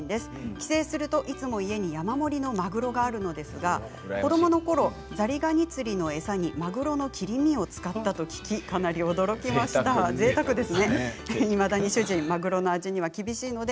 帰省するといつも家に山盛りのマグロがあるのですが子どものころ、ザリガニ釣りの餌にマグロの切り身を使ったと聞きかなり驚きましたということです。